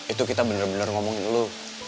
itu kita bener bener ngomongin lo